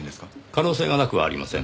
可能性がなくはありません。